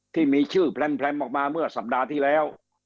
ที่มีชื่อแพร่มออกมาเมื่อสัปดาห์ที่แล้ว